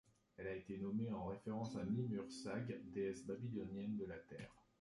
Elle a été nommée en référence à Ninhursag, déesse babylonienne de la Terre.